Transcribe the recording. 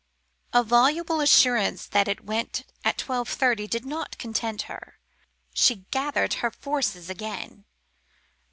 A voluble assurance that it went at twelve thirty did not content her. She gathered her forces again.